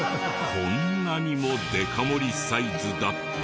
こんなにもでか盛りサイズだった。